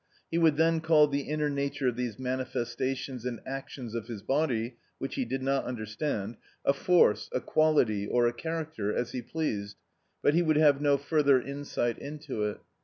He would then call the inner nature of these manifestations and actions of his body which he did not understand a force, a quality, or a character, as he pleased, but he would have no further insight into it.